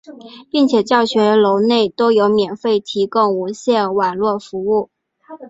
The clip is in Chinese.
并且教学楼内都有提供免费无线网络服务。